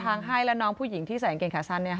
ให้และน้องผู้หญิงที่ใส่อังเกงขาสั้น